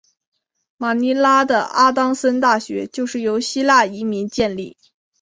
马尼拉的阿当森大学就是由希腊移民建立。